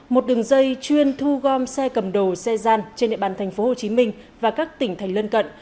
một đường dây chuyên thu gom xe cầm đồ xe gian trên địa bàn tp hcm và các tỉnh thành lân cận